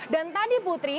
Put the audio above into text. dan tadi putri